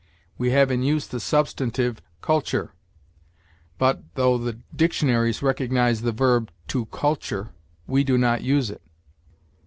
We have in use the substantive culture, but, though the dictionaries recognize the verb to culture, we do not use it.